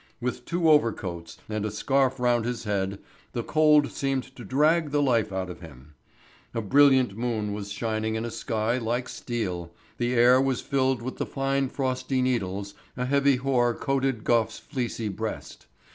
With two overcoats, and a scarf round his head, the cold seemed to drag the life out of him. A brilliant moon was shining in a sky like steel, the air was filled with the fine frosty needles, a heavy hoar coated Gough's fleecy breast.